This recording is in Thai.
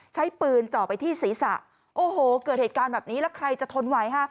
ใช้ปืนจ่อไปที่ศีรษะโอ้โหเกิดเหตุการณ์แบบนี้แล้วใครจะทนไหวฮะ